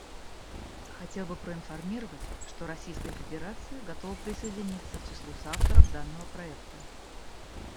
Хотел бы проинформировать, что Российская Федерация готова присоединиться к числу соавторов данного проекта.